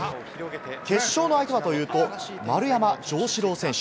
決勝の相手はというと丸山城志郎選手。